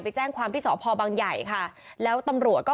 แจ้งความที่สพบังใหญ่ค่ะแล้วตำรวจก็